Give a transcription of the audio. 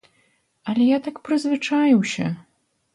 Але я так прызвычаіўся.